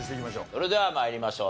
それでは参りましょう。